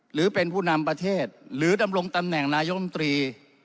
หรือเป็นผู้นำประเทศหรือดำรงตำแหน่งนายกรรมตรี